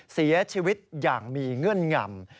เสียชีวิตอย่างมีเงื่อนงำ